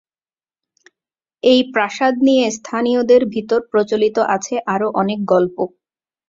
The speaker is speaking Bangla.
এই প্রাসাদ নিয়ে স্থানীয়দের ভিতর প্রচলিত আছে আরো অনেক গল্প।